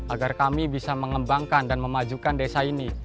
agar kami bisa mengembangkan dan memajukan desa ini